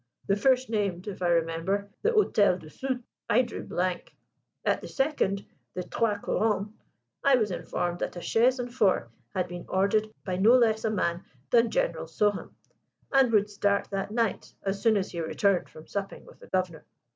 The first named, if I remember, the Hotel du Sud I drew blank. At the second, the Trois Couronnes, I was informed that a chaise and four had been ordered by no less a man than General Souham, who would start that night as soon as he returned from supping with the Governor.